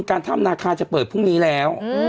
ธ่ามนาคารจะเปิดพรุ่งนี้แล้ว